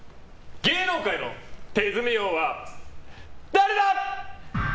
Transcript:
芸能界の手積み王は誰だ！？